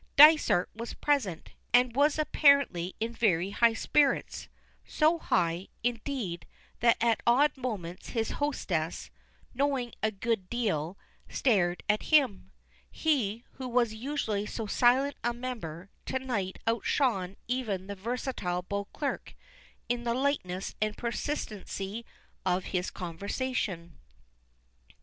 Dysart was present, and was apparently in very high spirits; so high, indeed, that at odd moments his hostess, knowing a good deal, stared at him. He, who was usually so silent a member, to night outshone even the versatile Beauclerk in the lightness and persistency of his conversation.